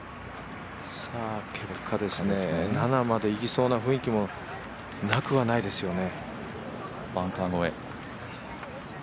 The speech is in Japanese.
ケプカですね、７までいきそうな雰囲気もなくはないですね。